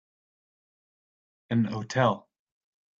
An hotel